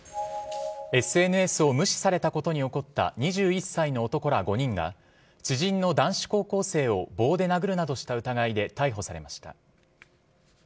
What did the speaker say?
ＳＮＳを無視されたことに怒った２１歳の男ら５人が知人の男子高校生を棒で殴るなどした疑いで逮捕されました。